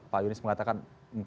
pak yunis mengatakan empat ribu